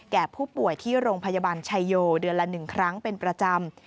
ผู้ป่วยที่โรงพยาบาลชายโยเดือนละ๑ครั้งเป็นประจำ